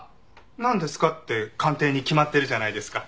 なんですかって鑑定に決まってるじゃないですか。